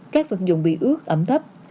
các vật dụng bị ướt ẩm thấp